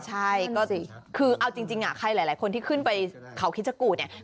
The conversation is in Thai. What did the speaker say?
ใช่ก็สิคือเอาจริงใครหลายคนที่ขึ้นไปเขาคิดชะกูธเนี่ย